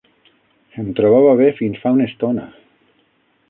Em trobava bé fins fa una estona.